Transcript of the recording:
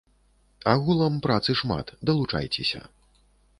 Агулам працы шмат, далучайцеся!